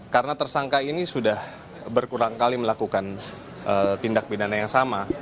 karena tersangka ini sudah berkurang kali melakukan tindak pidana yang sama